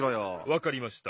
わかりました。